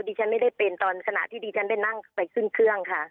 ดิฉันไม่ได้เป็นตอนขณะที่ดิฉันได้นั่งไปขึ้นเครื่องค่ะ